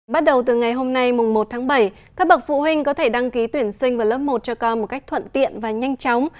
bắt đầu từ ngày hôm nay mùng một tháng bảy các bậc phụ huynh có thể đăng ký tuyển sinh vào lớp một cho con một cách thuận tiện và nhanh chóng